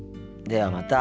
ではまた。